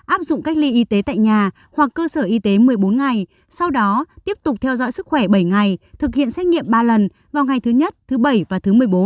áp dụng cách ly y tế tại nhà hoặc cơ sở y tế một mươi bốn ngày sau đó tiếp tục theo dõi sức khỏe bảy ngày thực hiện xét nghiệm ba lần vào ngày thứ nhất thứ bảy và thứ một mươi bốn